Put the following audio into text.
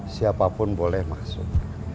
siapapun boleh masuk